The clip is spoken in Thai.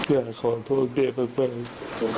อยากขอโทษแม่มาก